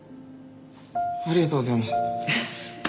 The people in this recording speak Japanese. ありがとうございます。